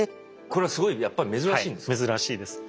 これはすごいやっぱり珍しいんですか。